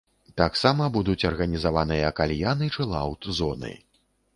Таксама будуць арганізаваныя кальян- і чылаўт-зоны.